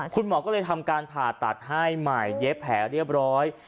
คุณหมอก็เลยทำการผ่าตัดให้ใหม่เย็บแผลเรียบร้อย